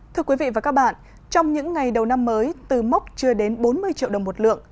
thưa quý vị và các bạn trong những ngày đầu năm mới từ mốc chưa đến bốn mươi triệu đồng một lượng